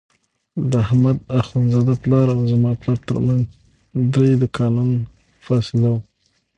د احمد اخوندزاده پلار او زما پلار ترمنځ درې دوکانه فاصله وه.